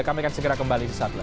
kami akan segera kembali sesaat lagi